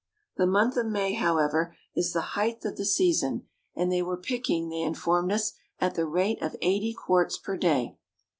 The month of May, however, is the height of the season; and they were picking, they informed us, at the rate of eighty quarts per day.